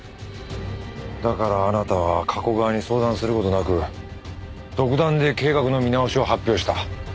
だからあなたは加古川に相談する事なく独断で計画の見直しを発表した。